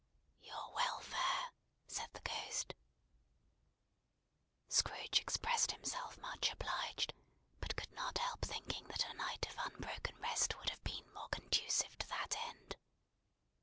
"Your welfare!" said the Ghost. Scrooge expressed himself much obliged, but could not help thinking that a night of unbroken rest would have been more conducive to that end.